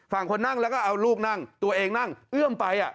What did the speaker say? ฝั่งคนนั่งแล้วก็เอาลูกนั่งตัวเองนั่งเอื้อมไป